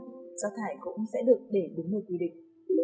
rác thải cũng sẽ được để đúng nơi quy định